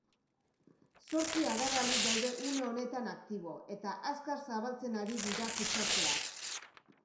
Zortzi agerraldi daude une honetan aktibo, eta azkar zabaltzen ari dira kutsatzeak.